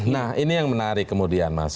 nah ini yang menarik kemudian mas